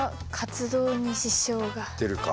出るか。